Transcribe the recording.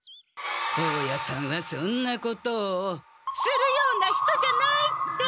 大家さんはそんなことをするような人じゃないって！